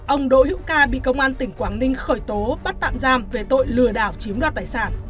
ông đỗ hữu ca bị công an tỉnh quảng ninh khởi tố bắt tạm giam về tội lừa đảo chiếm đoạt tài sản